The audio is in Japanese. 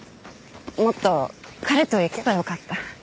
もっと彼と行けばよかった。